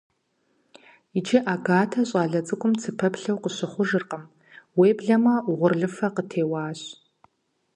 Иджы Агатэ щӀалэ цӀыкӀум цыпэплъу къыщыхъужыркъым, уеблэмэ угъурлыфэ къытеуащ.